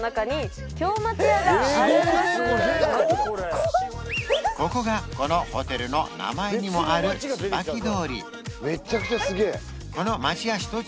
これここがこのホテルの名前にもある椿通